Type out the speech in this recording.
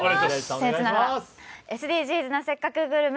僣越ながら、「ＳＤＧｓなせっかくグルメ！！」